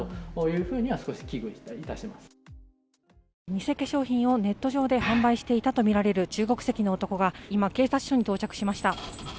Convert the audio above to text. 偽化粧品をネット上で販売していたとみられる中国籍の男が今、警察署に到着しました。